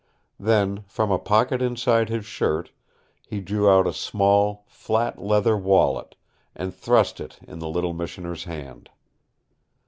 Then, from a pocket inside his shirt, he drew out a small, flat leather wallet, and thrust it in the little Missioner's hand.